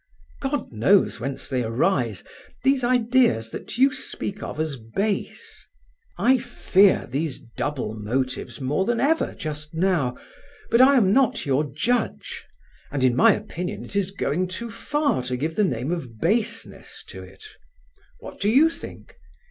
God knows whence they arise, these ideas that you speak of as base. I fear these double motives more than ever just now, but I am not your judge, and in my opinion it is going too far to give the name of baseness to it—what do you think?